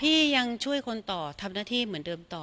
ยังช่วยคนต่อทำหน้าที่เหมือนเดิมต่อ